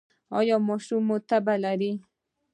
ایا ماشوم مو تبه لري؟